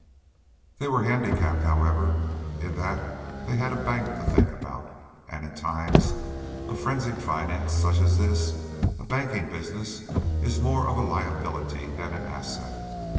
They were handicapped, however, in that they had the bank to think about, and, in times of frenzied finance such as this, a banking business is more of a liability than an asset.